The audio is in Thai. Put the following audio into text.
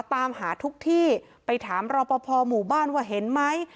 ตามหาทุกที่ไปถามรอปภหมู่บ้านว่าเห็นไหม